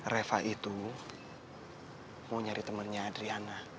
reva itu mau nyari temannya adriana